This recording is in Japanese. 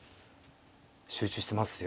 集中してますよ